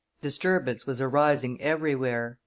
Disturbance was arising everywhere.